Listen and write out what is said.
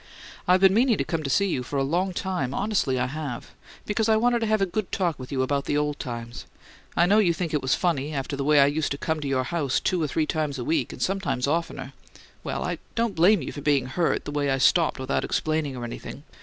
"I've been meaning to come to see you for a long time honestly I have because I wanted to have a good talk with you about old times. I know you think it was funny, after the way I used to come to your house two or three times a week, and sometimes oftener well, I don't blame you for being hurt, the way I stopped without explaining or anything.